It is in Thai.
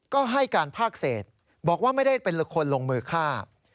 ก็ให้การภาคเศษบอกว่าไม่ได้เป็นคนลงมือฆ่า